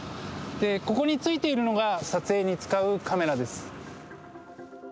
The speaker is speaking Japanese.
ここに付いているのが撮影に使うカメラです。